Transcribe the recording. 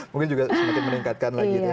mungkin juga semakin meningkatkan lagi